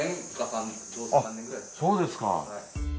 そうですか。